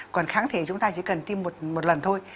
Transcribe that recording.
còn kháng thể chúng ta chỉ cần tiêm một lần thôi